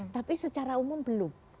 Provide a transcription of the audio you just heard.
tapi secara umum belum